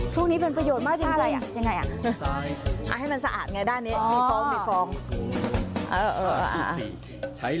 ช่วงนี้เป็นประโยชน์มากจริงอ่ะยังไง